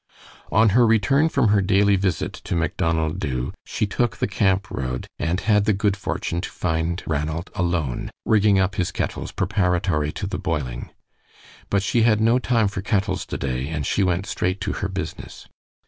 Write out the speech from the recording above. On her return from her daily visit to Macdonald Dubh, she took the camp road, and had the good fortune to find Ranald alone, "rigging up" his kettles preparatory to the boiling. But she had no time for kettles to day, and she went straight to her business.